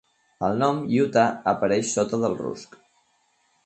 El nom, Utah, apareix sota del rusc.